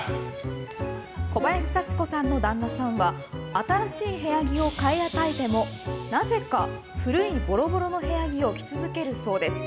小林幸子さんの旦那さんは新しい部屋着を買い与えてもなぜか古いボロボロの部屋着を着続けるそうです。